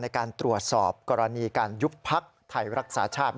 ในการตรวจสอบกรณีการยุบพักไทยรักษาชาติ